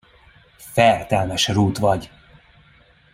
Fertelmes rút vagy!